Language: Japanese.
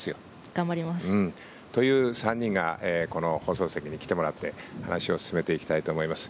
頑張ります。という３人が放送席に来てもらって話を進めていきたいと思います。